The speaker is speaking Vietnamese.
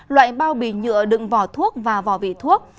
loại bao bì nhựa đựng vỏ thuốc và vỏ vỉ thuốc